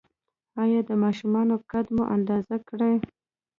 ایا د ماشومانو قد مو اندازه کړی؟